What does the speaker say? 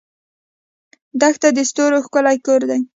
دښته د ستورو ښکلی کور دی.